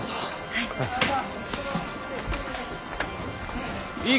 はい。